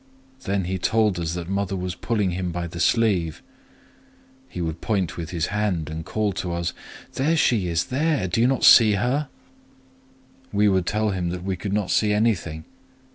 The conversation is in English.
Then he told us that mother was pulling him by the sleeve. He p. 128 would point with his hand and call to us:—'There she is!—there!—do you not see her?' We would tell him that we could not see anything.